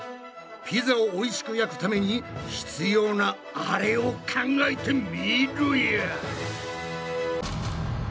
ピザをおいしく焼くために必要なアレを考えてみろや！